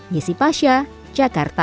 yesi pasha jakarta